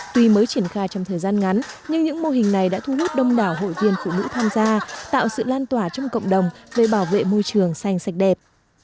tuy mới triển khai trong thời gian ngắn nhưng những mô hình này đã thu hút đông đảo hội viên phụ nữ tham gia tạo sự lan tỏa trong cộng đồng về bảo vệ môi trường xanh sạch đẹp